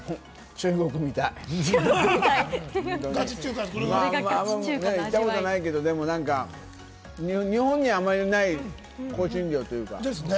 中国行ったことないけれども、なんか日本にはあんまりない香辛料というか。